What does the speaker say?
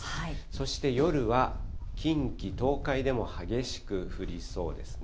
そして夜は、近畿、東海でも激しく降りそうですね。